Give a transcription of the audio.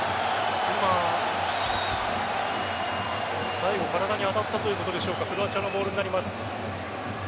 最後、体に当たったということでしょうかクロアチアのボールになります。